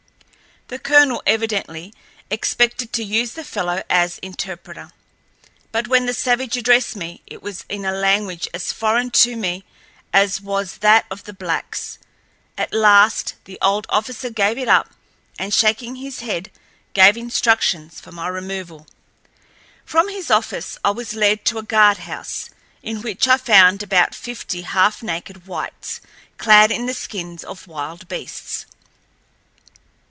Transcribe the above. The colonel evidently expected to use the fellow as interpreter, but when the savage addressed me it was in a language as foreign to me as was that of the blacks. At last the old officer gave it up, and, shaking his head, gave instructions for my removal. From his office I was led to a guardhouse, in which I found about fifty half naked whites, clad in the skins of wild beasts.